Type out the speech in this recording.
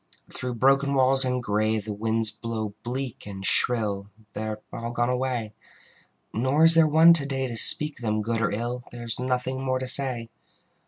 Through broken walls and gray The winds blow bleak and shrill: They are all gone away. Nor is there one to day To speak them good or ill: There is nothing more to say.